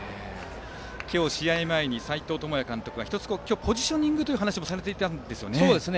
今日、試合前に斎藤智也監督が１つポジショニングという話もされていたんですよね。